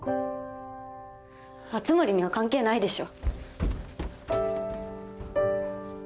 熱護には関係ないでしょ。